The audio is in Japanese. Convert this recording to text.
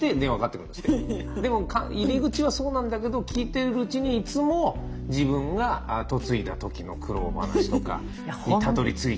でも入り口はそうなんだけど聞いているうちにいつも自分が嫁いだ時の苦労話とかにたどりついちゃうらしいんですよ。